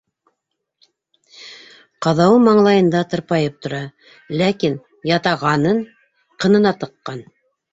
Ҡаҙауы маңлайында тырпайып тора, ләкин ятағанын ҡынына тыҡҡан.